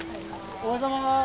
おはようございます！